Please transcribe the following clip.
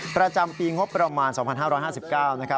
ประจำปีงบประมาณ๒๕๕๙นะครับ